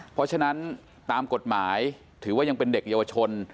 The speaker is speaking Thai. เพราะฉะนั้นตามกฎหมายถือว่ายังเป็นเด็กเยาวชน